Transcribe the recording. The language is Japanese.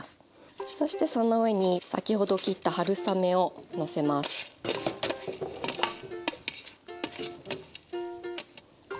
そしてその上に先ほど切った春雨をのせます。